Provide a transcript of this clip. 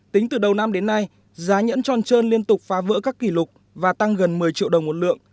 tính từ đầu năm đến nay giá nhẫn tròn trơn liên tục phá vỡ các kỷ lục và tăng gần một mươi triệu đồng một lượng